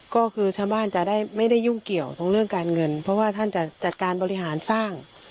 ก็คือชาวบ้านจะได้ไม่ได้ยุ่งเกี่ยวตรงเรื่องการเงินเพราะว่าท่านจะจัดการบริหารสร้าง